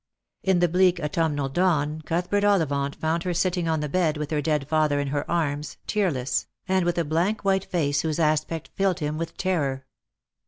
In the bleak autumnal dawn Cuthbert Ollivant found her sitting on the bed with her dead father in her arms, tearless, and with a blank white face whose aspect filled him with terror.